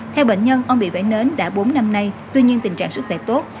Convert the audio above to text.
theo bệnh nhân ông bị vẩy nến đã bốn năm nay tuy nhiên tình trạng sức khỏe tốt